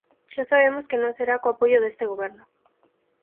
Xa sabemos que non será co apoio deste goberno.